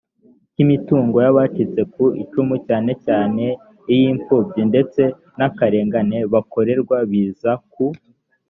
cy imitungo y abacitse ku icumu cyane cyane iy imfubyi ndetse n akarengane bakorerwa biza ku